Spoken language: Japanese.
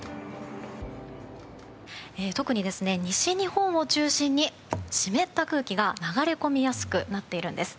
特にですね西日本を中心に湿った空気が流れ込みやすくなっているんです。